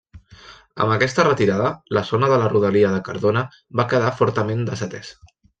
Amb aquesta retirada, la zona de la rodalia de Cardona va quedar fortament desatesa.